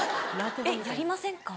えっやりませんか？